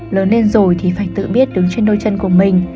lớn lên rồi thì phải tự biết đứng trên đôi chân của mình